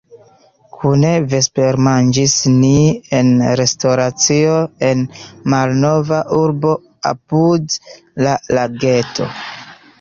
Kune vespermanĝis ni en restoracio en malnova urbo apud la lageto.